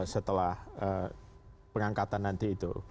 setelah pengangkatan nanti itu